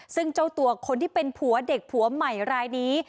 ซึ่งเจ้าตัวคนที่เป็นผัวเด็กผัวใหม่รายนี้